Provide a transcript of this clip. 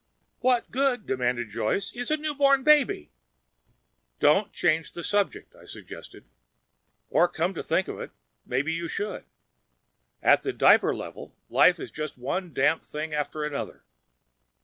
"What good," demanded Joyce, "is a newborn baby?" "Don't change the subject," I suggested. "Or come to think of it, maybe you should. At the diaper level, life is just one damp thing after another.